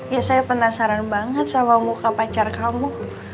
ya saya penasaran banget sama muka pacar kamu